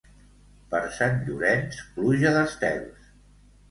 Per Sant Llorenç, pluja d'estels.